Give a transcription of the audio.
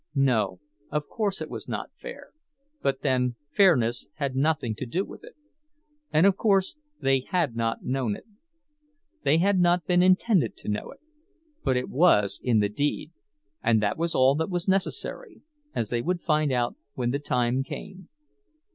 No, of course it was not fair, but then fairness had nothing to do with it. And of course they had not known it. They had not been intended to know it. But it was in the deed, and that was all that was necessary, as they would find when the time came.